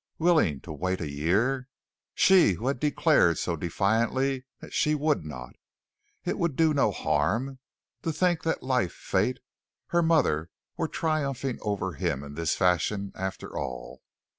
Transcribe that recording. Willing to wait a year! She who had declared so defiantly that she would not. It would do no harm? To think that life, fate, her mother were triumphing over him in this fashion, after all.